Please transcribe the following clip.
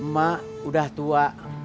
mak udah tua